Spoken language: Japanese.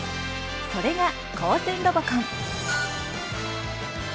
それが「高専ロボコン」。